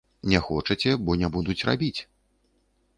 Не хочаце, бо не будуць рабіць.